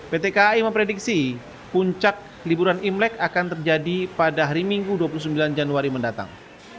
pt kai memprediksi puncak liburan imlek akan terjadi pada hari minggu dua puluh sembilan januari mendatang